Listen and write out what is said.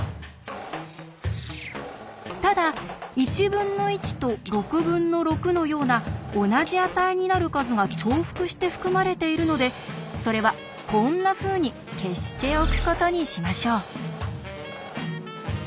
ただ「１分の１」と「６分の６」のような同じ値になる数が重複して含まれているのでそれはこんなふうに消しておくことにしましょう。